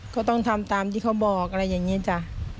ก็ต้องทำตามที่เขาบอกอะไรอย่างนี้จ้ะ